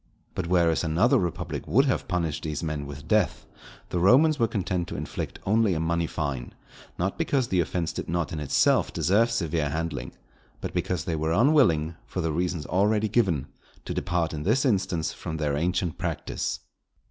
But whereas another republic would have punished these men with death, the Romans were content to inflict only a money fine: not because the offence did not in itself deserve severe handling, but because they were unwilling, for the reasons already given, to depart in this instance from their ancient practice.